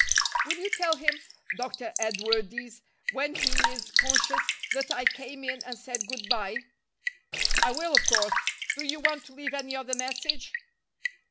"Will you tell him, Dr. Edwardes, when he is conscious, that I came in and said good bye?" "I will, of course. Do you want to leave any other message?"